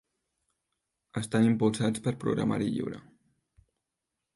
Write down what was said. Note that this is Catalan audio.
Estan impulsats per programari lliure.